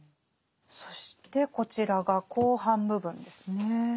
そしてこちらが後半部分ですね。